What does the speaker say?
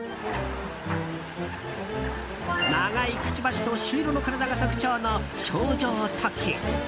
長いくちばしと朱色の体が特徴のショウジョウトキ。